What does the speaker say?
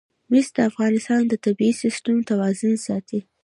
مس د افغانستان د طبعي سیسټم توازن ساتي.